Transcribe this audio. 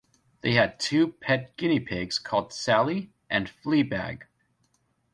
They had two pet guinea pigs called Sally and Fleabag.